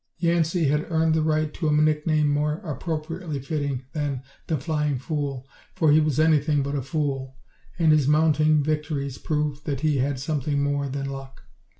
Yancey had earned the right to a nickname more appropriately fitting than "the flying fool," for he was anything but a fool and his mounting victories proved that he had something more than luck.